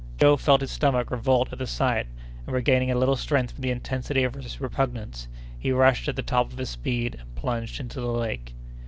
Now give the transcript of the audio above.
Joe felt his stomach revolt at the sight, and, regaining a little strength from the intensity of his repugnance, he rushed at the top of his speed and plunged into the lake.